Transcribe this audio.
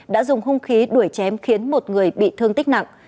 đã dùng hung khí đuổi chém khiến một người bị thương tích nặng